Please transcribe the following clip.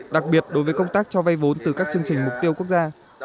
đặc biệt đối với công tác cho vay vốn từ các chương trình mục tiêu quốc gia